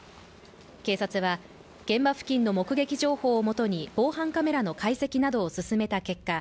警察は現場付近の目撃情報をもとに、防犯カメラの解析などを進めた結果